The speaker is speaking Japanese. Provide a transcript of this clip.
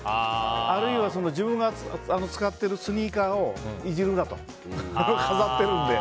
あるいは、自分が使っているスニーカーをいじるなと飾ってるんで。